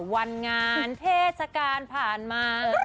วันงานเทศกาลผ่านมา